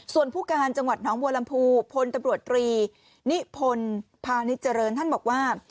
ส่วนผู้การจังหวัดน้องบัวลำพูพลตำรวจตรีนิพนธ์พาณิชเจริญท่านบอกว่า